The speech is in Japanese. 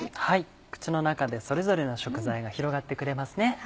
口の中でそれぞれの食材が広がってくれますね。